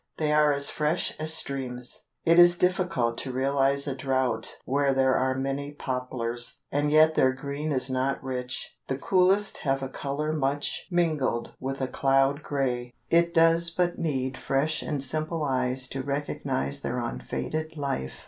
They are as fresh as streams. It is difficult to realize a drought where there are many poplars. And yet their green is not rich; the coolest have a colour much mingled with a cloud grey. It does but need fresh and simple eyes to recognize their unfaded life.